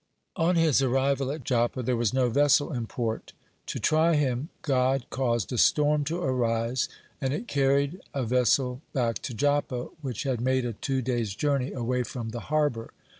On his arrival at Joppa, there was no vessel in port. To try him, God cause a storm to arise, and it carried a vessel back to Joppa, which had made a two days' journey away from the harbor.